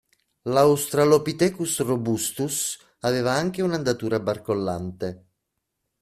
L'Astralopithecus Robustus aveva anche un'andatura barcollante.